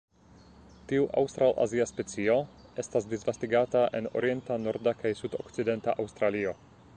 Tiu aŭstralazia specio estas disvastigata en orienta, norda kaj sudokcidenta Aŭstralio.